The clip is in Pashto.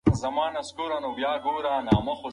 د سهارنۍ سپارښتنه د غذایي ارزښت له کبله ده.